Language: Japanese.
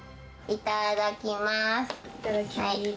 いただきます。